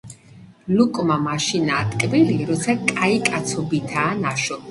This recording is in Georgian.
ლუკმა მაშინაა ტკბილი, როცა კაი კაცობითაა ნაშოვნი